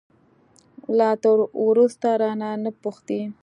له تا وروسته، رانه، نه پوښتي